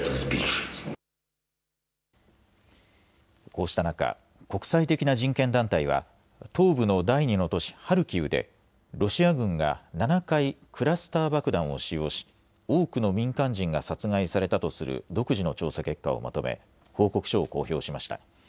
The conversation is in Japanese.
こうした中、国際的な人権団体は東部の第２の都市ハルキウでロシア軍が７回クラスター爆弾を使用し多くの民間人が殺害されたとする独自の調査結果をまとめ報告書を公表しました。